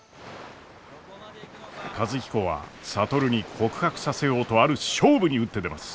和彦は智に告白させようとある勝負に打って出ます！